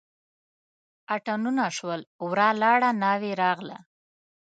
اتڼونه شول ورا لاړه ناوې راغله.